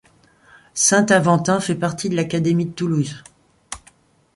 Saint-Aventin fait partie de l'académie de Toulouse.